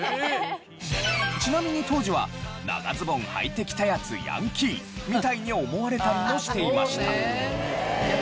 ちなみに当時は長ズボンはいてきたヤツヤンキーみたいに思われたりもしていました。